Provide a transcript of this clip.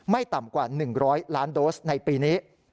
ต่ำกว่า๑๐๐ล้านโดสในปีนี้